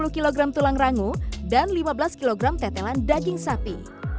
lima puluh kg tulang rangu dan lima belas kg tetelan daging sapi